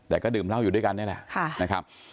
แต่ก็ดื่มเล่าอยู่ด้วยกันนี่แหละ